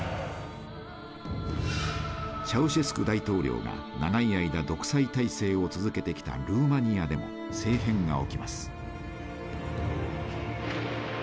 チャウシェスク大統領が長い間独裁体制を続けてきたルーマニアでも政変が起きます。